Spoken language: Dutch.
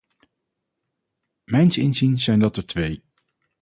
Mijns inziens zijn dat er twee.